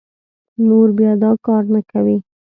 نور بيا دا کار نه کوي